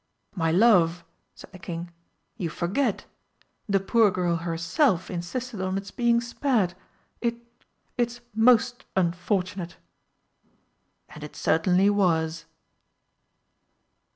"My love," said the King, "you forget. The poor girl herself insisted on its being spared. It it's most unfortunate!" And it certainly was.